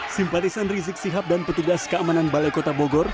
simpatisan rizik sihab dan petugas keamanan balai kota bogor